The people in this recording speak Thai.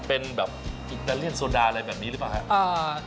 เป็นแบบอิตาเลียนโซดาอะไรแบบนี้หรือเปล่าครับ